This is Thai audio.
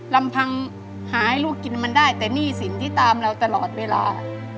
ลำพังหาให้ลูกกินมันได้แต่หนี้สินที่ตามเราตลอดเวลา